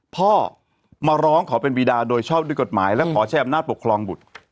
พ่อมาร้องขอเป็นวีดาโดยชอบด้วยกฎหมายและขอใช้อำนาจปกครองบุตร